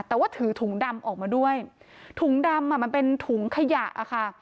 แต่ว่าถือถุงดำออกมาด้วยถุงดำอ่ะมันเป็นถุงขยะค่ะ